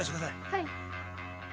はい。